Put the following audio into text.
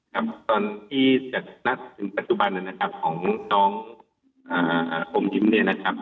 ครับตอนที่จากนัดถึงปัจจุบันนะครับของน้องอมยิ้มเนี่ยนะครับ